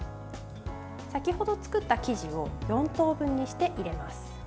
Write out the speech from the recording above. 先程作った生地を４等分にして入れます。